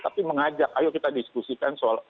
tapi mengajak ayo kita diskusikan soal